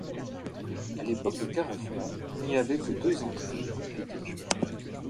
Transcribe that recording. À l'époque de Carafa, il n'y avait que deux entrées au premier étage.